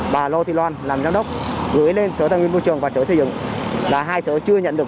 bà lô thị loan làm giám đốc gửi lên sở tài nguyên môi trường và sở xây dựng là hai sở chưa nhận được